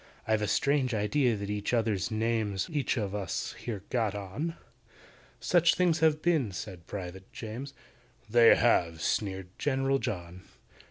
"I've a strange idea that each other's names We've each of us here got on. Such things have been," said PRIVATE JAMES. "They have!" sneered GENERAL JOHN.